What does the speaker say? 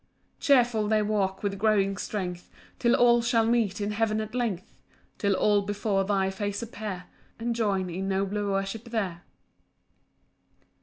7 Cheerful they walk with growing strength, Till all shall meet in heaven at length, Till all before thy face appear, And join in nobler worship there.